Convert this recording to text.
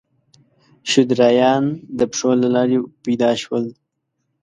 شودرایان د پښو له لارې پیدا شول.